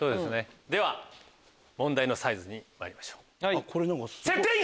では問題のサイズに参りましょう。